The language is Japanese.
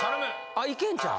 あっいけんちゃう？